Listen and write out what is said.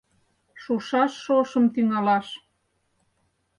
Шушаш шошым тӱҥалаш.